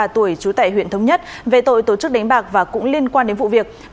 bốn mươi ba tuổi chú tại huyện thống nhất về tội tổ chức đánh bạc và cũng liên quan đến vụ việc